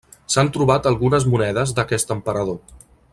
S'han trobat algunes monedes d'aquest emperador.